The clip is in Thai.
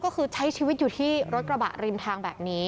ก็คือใช้ชีวิตอยู่ที่รถกระบะริมทางแบบนี้